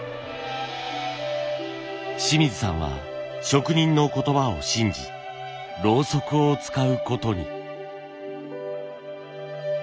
清水さんは職人の言葉を信じろうそくを使うことに。